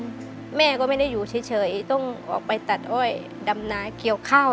แม่ก็ไม่ได้อยู่เฉยต้องออกไปตัดอ้อยดำนาเกี่ยวข้าว